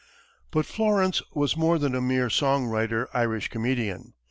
But Florence was more than a mere song writer Irish comedian.